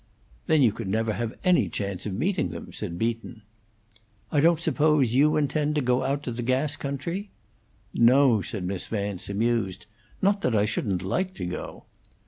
"Then you could never have had any chance of meeting them," said Beaton. "I don't suppose you intend to go out to the gas country?" "No," said Miss Vance, amused. "Not that I shouldn't like to go."